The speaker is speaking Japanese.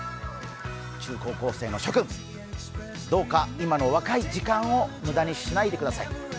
中高校生の諸君、どうか今の若い時間を無駄にしないでください。